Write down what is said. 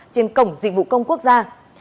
trên cổng dịch vụ công quốc gia